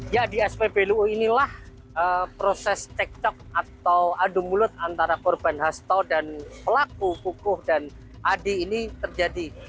ya di spbulu inilah proses cekcok atau adu mulut antara korban hasto dan pelaku kukuh dan adi ini terjadi